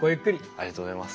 ありがとうございます。